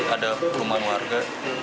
ada perumahan warga